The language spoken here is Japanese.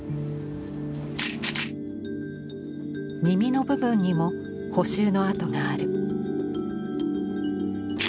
耳の部分にも補修の跡がある。